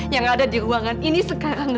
yang ada di ruangan ini sekarang